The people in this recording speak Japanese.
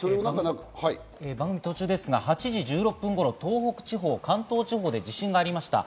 番組途中ですが、８時１６分頃、東北地方、関東地方で地震がありました。